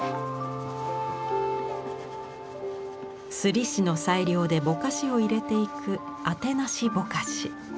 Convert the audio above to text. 摺師の裁量でぼかしを入れていくあてなしぼかし。